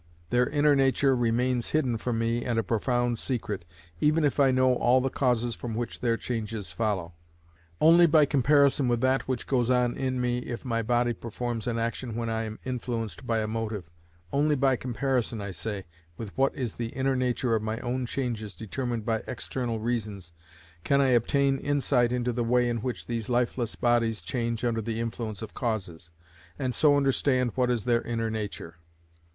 Their inner nature remains hidden from me and a profound secret, even if I know all the causes from which their changes follow. Only by comparison with that which goes on in me if my body performs an action when I am influenced by a motive—only by comparison, I say, with what is the inner nature of my own changes determined by external reasons, can I obtain insight into the way in which these lifeless bodies change under the influence of causes, and so understand what is their inner nature.